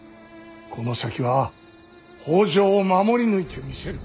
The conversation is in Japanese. この先は北条を守り抜いてみせる。